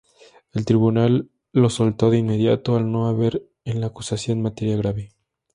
El tribunal lo soltó de inmediato al no haber en la acusación materia grave.